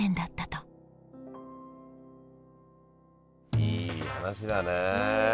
いい話だね。